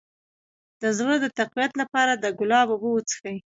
د زړه د تقویت لپاره د ګلاب اوبه وڅښئ